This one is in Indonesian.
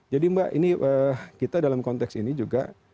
jadi mbak ini kita dalam konteks ini juga